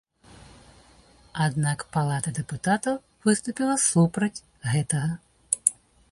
Аднак палата дэпутатаў выступіла супраць гэтага.